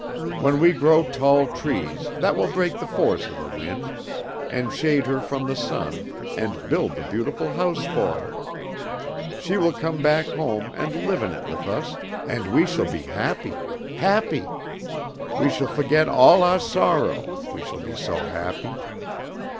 When we grow tall trees that will break the force of the wind and shade her from the sun and build the beautiful house fo' her, she will come back home and live in it with us and we shall be happy! Happy! We shall fo'get all ouah sorrow, we shall be so happy!"